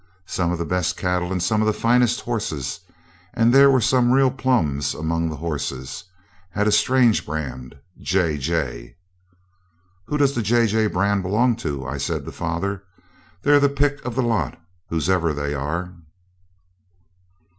Some of the best cattle and some of the finest horses and there were some real plums among the horses had a strange brand, JJ. 'Who does the JJ brand belong to?' I said to father. 'They're the pick of the lot, whose ever they are.'